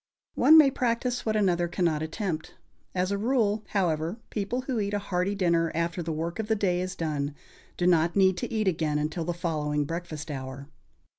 One may practise what another cannot attempt. As a rule, however, people who eat a hearty dinner, after the work of the day is done, do not need to eat again until the following breakfast hour.